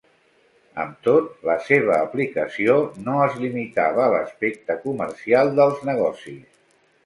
Amb tot, la seva aplicació no es limitava a l'aspecte comercial dels negocis.